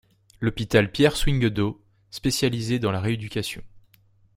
L'hôpital Pierre Swynghedauw, spécialisé dans la réeducation.